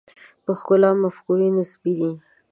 د ښکلا مفکوره نسبي ده.